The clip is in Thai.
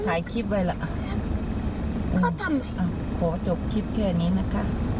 ถ่ายคลิปไว้ล่ะเขาทำอะไรอ่ะขอจบคลิปแค่นี้นะคะ